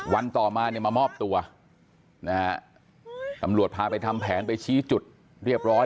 วันต่อมามามอบตัวตำรวจพาไปทำแผนไปชี้จุดเรียบร้อย